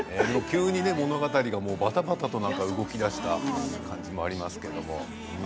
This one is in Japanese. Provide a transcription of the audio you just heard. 急に物語がバタバタと動きだした感じはありますけれど。